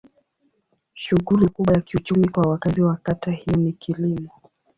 Shughuli kubwa ya kiuchumi kwa wakazi wa kata hiyo ni kilimo.